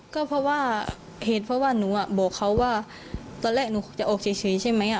ก็เพราะว่าเหตุเพราะว่าหนูบอกเขาว่าตอนแรกหนูจะออกเฉยใช่ไหม